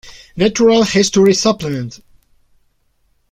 Natural History Supplement".